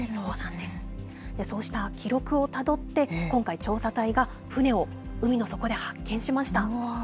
そうした記録をたどって、今回、調査隊が船を海の底で発見しました。